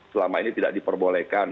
selama ini tidak diperbolehkan